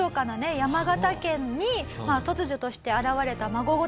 山形県に突如として現れた孫御殿。